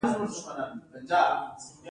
د دېوان بېګ او ګرګين رنګونه سره شول.